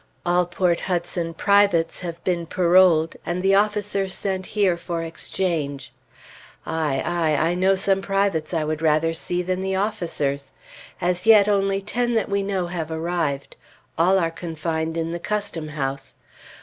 All Port Hudson privates have been paroled, and the officers sent here for exchange. Aye! Aye! I know some privates I would rather see than the officers! As yet, only ten that we know have arrived. All are confined in the Custom House.